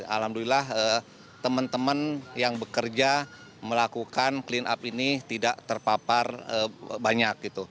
alhamdulillah teman teman yang bekerja melakukan clean up ini tidak terpapar banyak